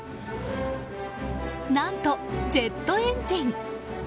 何と、ジェットエンジン。